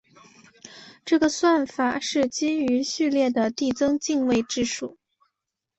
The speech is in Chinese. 这个算法是基于序列的递增进位制数。